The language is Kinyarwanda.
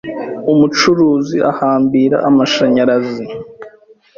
Umucuruzi ahambira amashanyarazi